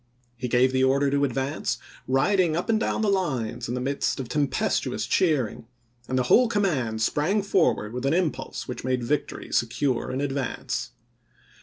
He gave the order to advance, riding up and down the lines in the midst of tempestuous cheering, and the whole command sprang forward with an impulse which made victory secure in advance.